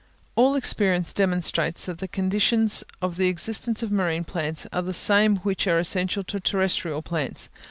All experience demonstrates that the conditions of the existence of marine plants are the same which are essential to terrestrial plants.